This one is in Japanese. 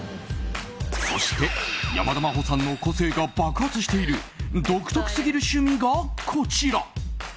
そして、山田真歩さんの個性が爆発している独特すぎる趣味が、こちら。